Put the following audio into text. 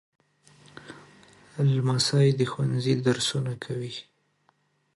لمسی د ښوونځي درسونه کوي.